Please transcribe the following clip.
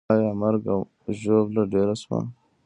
آیا مرګ او ژوبله ډېره سوه؟